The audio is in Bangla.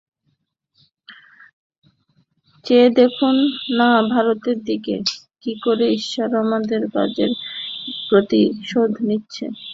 চেয়ে দেখুন না ভারতের দিকে, কি করে ঈশ্বর আমাদের কাজের প্রতিশোধ নিচ্ছেন।